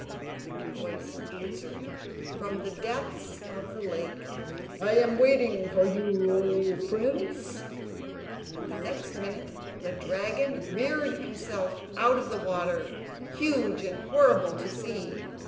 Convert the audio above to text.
And a voice answered from the depths of the lake: "I am waiting for you, O prince"; and the next minute the dragon reared himself out of the water, huge and horrible to see.